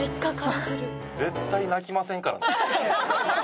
絶対泣きませんからね。